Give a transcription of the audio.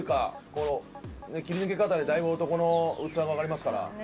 この切り抜け方でだいぶ男の器分かりますから。